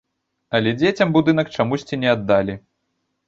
Але дзецям будынак чамусьці не аддалі.